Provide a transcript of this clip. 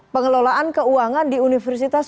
pengelolaan keuangan di universitas